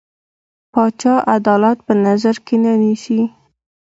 پاچا عدالت په نظر کې نه نيسي.